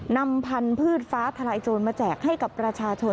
นำพันธุ์พืชฟ้าทลายโจรมาแจกให้กับประชาชน